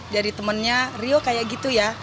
jadi temannya rio kayak gitu ya